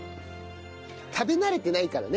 食べ慣れてないからね。